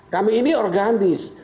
kami ini organis